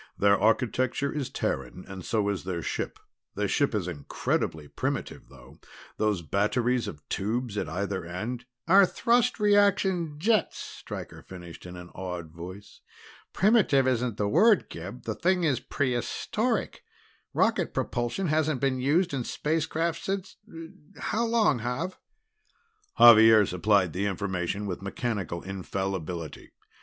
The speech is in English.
"Their architecture is Terran, and so is their ship. The ship is incredibly primitive, though; those batteries of tubes at either end " "Are thrust reaction jets," Stryker finished in an awed voice. "Primitive isn't the word, Gib the thing is prehistoric! Rocket propulsion hasn't been used in spacecraft since how long, Xav?" Xavier supplied the information with mechanical infallibility.